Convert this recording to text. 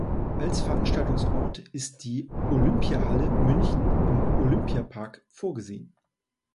Als Veranstaltungsort ist die Olympiahalle München im Olympiapark vorgesehen.